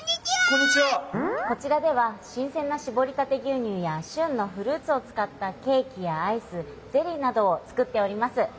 こちらでは新せんなしぼりたて牛乳やしゅんのフルーツをつかったケーキやアイスゼリーなどをつくっております。